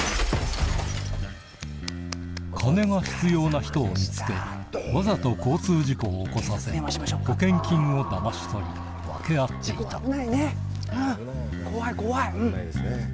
金が必要な人を見つけわざと交通事故を起こさせ保険金をだまし取り分け合っていた危ないねうん怖い怖いうん。